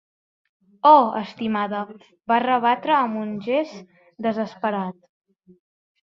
"Oh, estimada", va rebatre amb un gest desesperat.